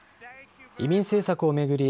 移民政策を巡り